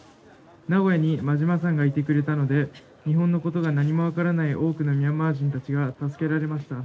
名古屋に馬島さんがいてくれたので日本のことが何も分からない多くのミャンマー人たちが助けられました。